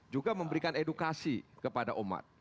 juga memberikan edukasi kepada umat